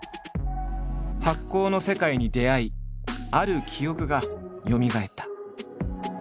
発酵の世界に出会いある記憶がよみがえった。